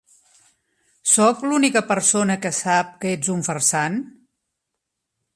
Sóc l'única persona que sap que ets un farsant?